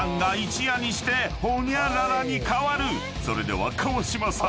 ［それでは川島さん